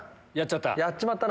やっちまったな。